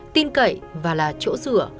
tin cậy và là chỗ rửa